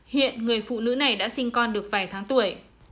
hiện người phụ nữ này đã sinh con được vài tháng tuổi